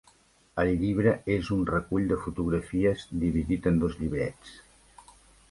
El llibre és un recull de fotografies, dividit en dos llibrets.